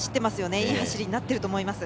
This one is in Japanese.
いい走りになってると思います。